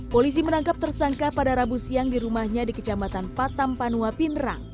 polisi menangkap tersangka pada rabu siang di rumahnya di kecamatan patam panua pinderang